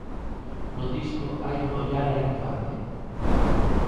No disco hai un ollar á infancia.